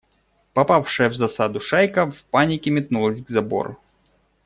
Попавшая в засаду шайка в панике метнулась к забору.